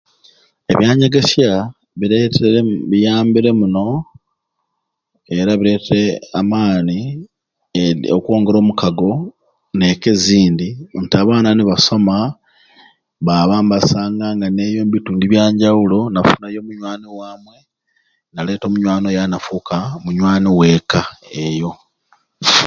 Ebyanyegesya bireteremu biyambire muno era biretere amaani edi okwongera omukaago nekka ezindi nti abaana nibasoma baba mbasangangana eyo ombitundu ebyanjawulo nafunayo omunywani wamwei naleeta omunywani yena nafuka munywani wekka eyo.